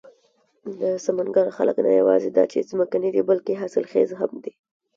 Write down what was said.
د سمنگان خلک نه یواځې دا چې ځمکني دي، بلکې حاصل خيز هم دي.